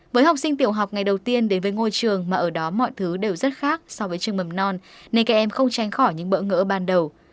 với học sinh tiểu học ngày đầu tiên đến với ngôi trường mà ở đó mọi thứ đều rất khác so với trường mầm non nên các em không tránh khỏi những bỡ ngỡ ban đầu